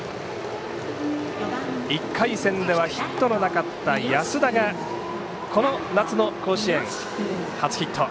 １回戦ではヒットのなかった安田がこの夏の甲子園、初ヒット。